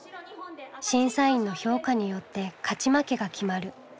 審査員の評価によって勝ち負けが決まる。